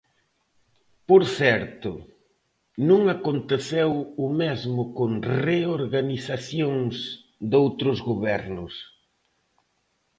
Por certo, non aconteceu o mesmo con reorganizacións doutros gobernos.